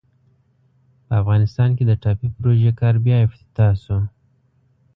په افغانستان کې د ټاپي پروژې کار بیا افتتاح سو.